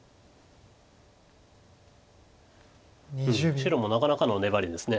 白もなかなかの粘りです。